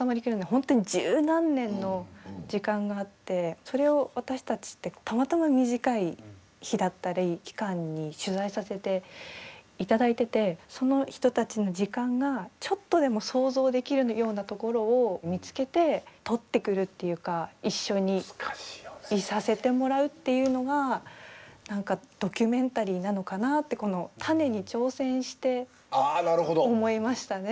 本当に十何年の時間があってそれを私たちってたまたま短い日だったり期間に取材させて頂いててその人たちの時間がちょっとでも想像できるようなところを見つけて撮ってくるっていうか一緒にいさせてもらうっていうのが何かドキュメンタリーなのかなってこの種に挑戦して思いましたね。